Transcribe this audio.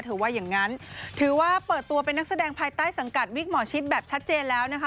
ว่าอย่างนั้นถือว่าเปิดตัวเป็นนักแสดงภายใต้สังกัดวิกหมอชิดแบบชัดเจนแล้วนะคะ